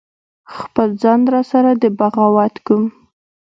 خپل ځان را سره دی بغاوت کوم